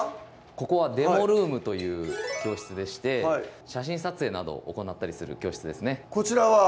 ここはデモルームという教室でして写真撮影などを行ったりする教室ですねこちらは？